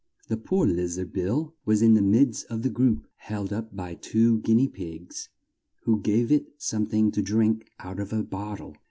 The poor liz ard, Bill, was in the midst of the group, held up by two guin ea pigs, who gave it some thing to drink out of a bot tle.